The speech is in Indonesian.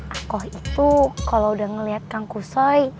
aku itu kalau udah ngeliat kang kushoi